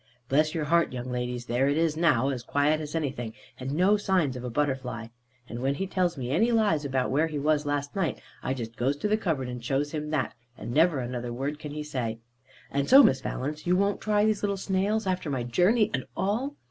Bless your heart, young ladies, there it is now, as quiet as anything, and no signs of a butterfly. And when he tells me any lies, about where he was last night, I just goes to the cupboard, and shows him that; and never another word can he say. And so, Miss Valence, you won't try these little snails, after my journey and all!"